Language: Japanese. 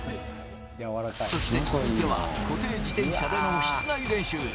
そして続いては、固定自転車での室内練習。